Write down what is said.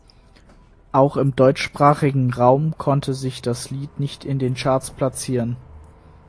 Auch im deutschsprachigen Raum konnte sich das Lied nicht in den Charts platzieren.